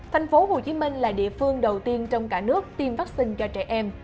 thành phố hồ chí minh là địa phương đầu tiên trong cả nước tiêm vaccine cho trẻ em